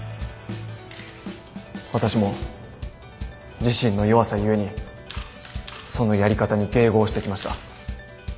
私も自身の弱さ故にそのやり方に迎合してきました。